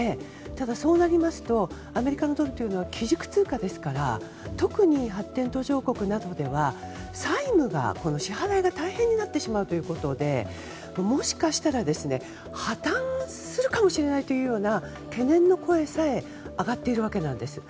ただ、そうなりますとアメリカのドルは基軸通貨ですから特に発展途上国などでは債務の支払いが大変になるということでもしかしたら破綻するかもしれないというような懸念の声さえ上がっているわけなんです。